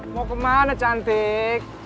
mau kemana cantik